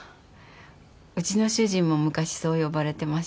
うちの主人も昔そう呼ばれてました。